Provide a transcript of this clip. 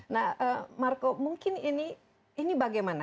nah marco mungkin ini bagaimana